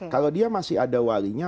kalau dia masih ada walinya